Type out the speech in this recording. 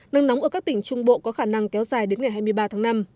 nắng nóng ở các tỉnh trung bộ có khả năng kéo dài đến ngày hai mươi ba tháng năm